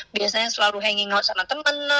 biasanya selalu hanging out sama temen